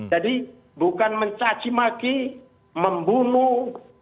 jadi bukan mencaci maki membunuh